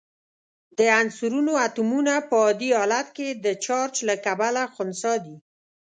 د عنصرونو اتومونه په عادي حالت کې د چارج له کبله خنثی دي.